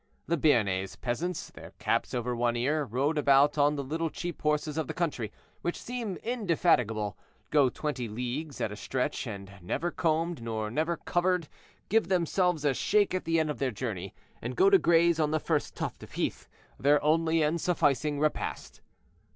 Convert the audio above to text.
The Béarnais peasants, their caps over one ear, rode about on the little cheap horses of the country, which seem indefatigable, go twenty leagues at a stretch, and, never combed, never covered, give themselves a shake at the end of their journey, and go to graze on the first tuft of heath, their only and sufficing repast.